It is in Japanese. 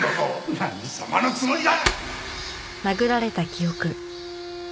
何様のつもりだ！